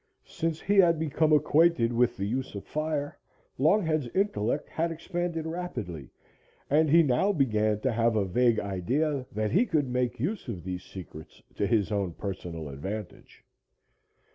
Since he had become acquainted with the use of fire, Longhead's intellect had expanded rapidly, and he now began to have a vague idea that he could make use of these secrets to his own personal advantage.